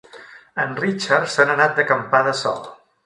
En Richard se n'ha anat d'acampada sol.